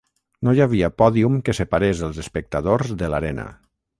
No hi havia pòdium que separés els espectadors de l'arena.